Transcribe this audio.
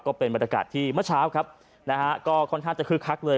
ก็เป็นบรรยากาศที่เมื่อเช้าครับนะฮะก็ค่อนข้างจะคึกคักเลย